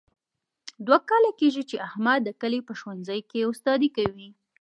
دوه کاله کېږي، چې احمد د کلي په ښوونځۍ کې استادي کوي.